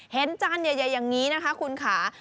เห็นจานเยอะอย่างนี้นะคะคุณค้า